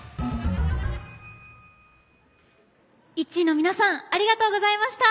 ＩＴＺＹの皆さんありがとうございました。